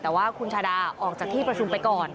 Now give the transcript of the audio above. แต่ว่าคุณชาดาออกจากที่ประชุมไปก่อน